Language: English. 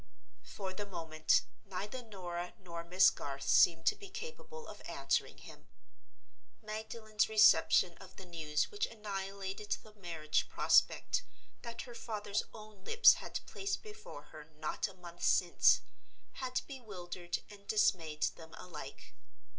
For the moment, neither Norah nor Miss Garth seemed to be capable of answering him. Magdalen's reception of the news which annihilated the marriage prospect that her father's own lips had placed before her not a month since, had bewildered and dismayed them alike.